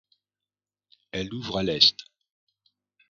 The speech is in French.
Elle ouvre à l'est.